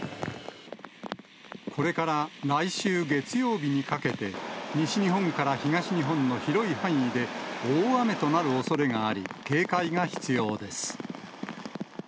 これから来週月曜日にかけて、西日本から東日本の広い範囲で大雨となるおそれがあり、警戒が必要です。